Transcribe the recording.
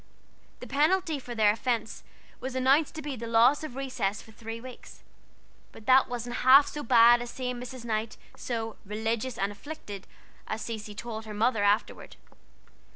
The penalty for their offense was announced to be the loss of recess for three weeks; but that wasn't half so bad as seeing Mrs. Knight so "religious and afflicted," as Cecy told her mother afterward.